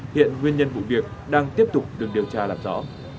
hiện nguyên nhân vụ việc đang tiếp tục được điều tra làm rõ